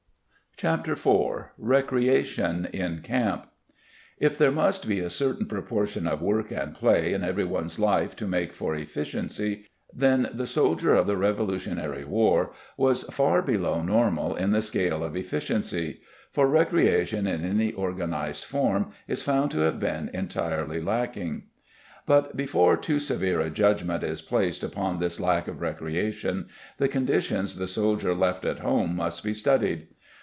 ] Chapter IV RECREATION IN CAMP If there must be a certain proportion of work and play in every one's life to make for efficiency, then the soldier of the Revolutionary War was far below normal in the scale of efficiency for recreation in any organized form is found to have been entirely lacking. But before too severe a judgment is placed upon this lack of recreation the conditions the soldier left at home must be studied.